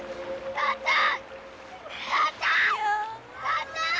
母ちゃん！